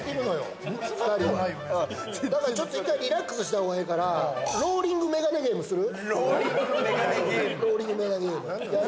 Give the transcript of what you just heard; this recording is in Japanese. ちょっと１回リラックスした方がええからローリング眼鏡ゲームする？